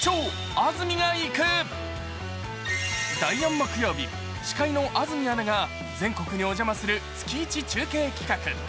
第４木曜日、司会の安住アナが全国にお邪魔する月１中継企画。